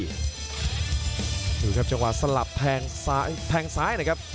ถือคือครับจังหวะสลับแพงซ้ายนะครับ